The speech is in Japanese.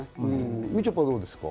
みちょぱ、どうですか？